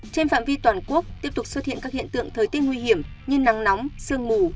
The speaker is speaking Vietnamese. trên phạm vi toàn quốc tiếp tục xuất hiện các hiện tượng thời tiết nguy hiểm như nắng nóng sương mù